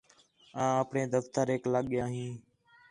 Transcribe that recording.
آں آپݨے دفتریک لڳ ڳیا ہین